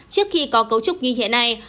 trước khi có cấu trúc như thế này